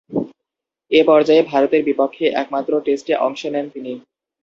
এ পর্যায়ে ভারতের বিপক্ষে একমাত্র টেস্টে অংশ নেন তিনি।